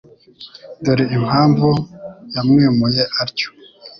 dore impamvu yamwimuye atyo